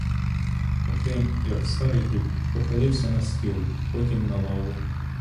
Трохим, як старий дуб, похилився на стіл, потім на лаву.